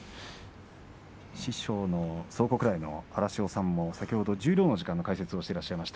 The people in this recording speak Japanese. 師匠の蒼国来の荒汐さんも先ほど十両の時間の解説をしてらっしゃいました。